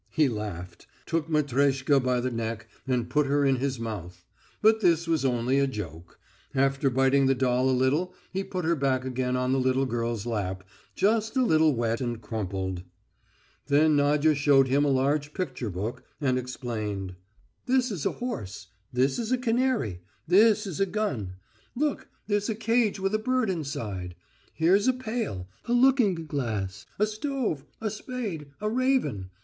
He laughed, took Matreshka by the neck and put her in his mouth. But this was only a joke. After biting the doll a little he put her back again on the little girl's lap, just a little wet and crumpled. Then Nadya showed him a large picture book, and explained: "This is a horse, this is a canary, this is a gun.... Look, there's a cage with a bird inside; here's a pail, a looking glass, a stove, a spade, a raven....